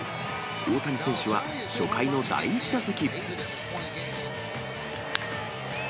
大谷選手は初回の第１打席。